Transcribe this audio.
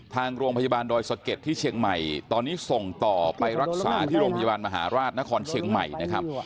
ทางโรงพยาบาลดอยสะเก็ดที่เชียงใหม่ตอนนี้ส่งต่อไปรักษาที่โรงพยาบาลมหาราชนครเชียงใหม่นะครับ